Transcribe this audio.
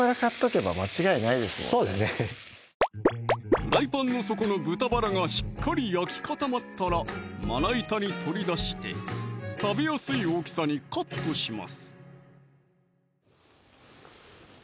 フライパンの底の豚バラがしっかり焼き固まったらまな板に取り出して食べやすい大きさにカットします